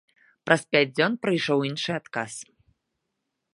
Праз пяць дзён прыйшоў іншы адказ.